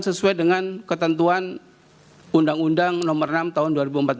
sesuai dengan ketentuan undang undang nomor enam tahun dua ribu empat belas